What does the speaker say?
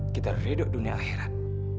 kita ridok dunia akhirat